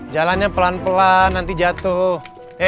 jalannya pelan pelan nanti jatuh